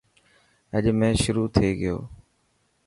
اڄ ميچ شروع ٿي گيو.